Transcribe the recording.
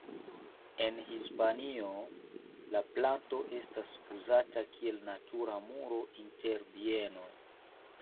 En Hispanio la planto estas uzata kiel natura muro inter bienoj.